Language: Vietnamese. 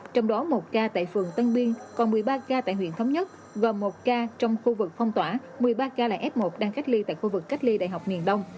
trong đó một ca tại phường tân biên còn một mươi ba ca tại huyện thống nhất và một ca trong khu vực phong tỏa một mươi ba ca là f một đang cách ly tại khu vực cách ly đại học miền đông